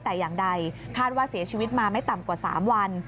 แต่อย่างใดคาดว่าเสียชีวิตมาไม่ต่ำกว่า๓วัน